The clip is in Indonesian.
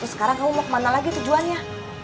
sekarang kamu mau kemana lagi tujuannya